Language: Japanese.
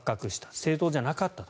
正当じゃなかったと。